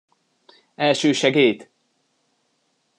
Elsősegélyt!